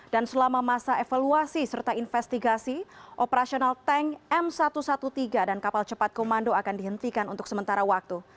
dan selama masa evaluasi serta investigasi operasional tank m satu ratus tiga belas dan kapal cepat komando akan dihentikan untuk sementara waktu